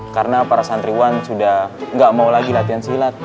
karena para santriwan sudah gak mau lagi latihan silat